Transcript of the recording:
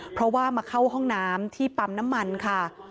เพราะว่ามาเข้าห้องน้ำที่ปั๊มน้ำมันค่ะ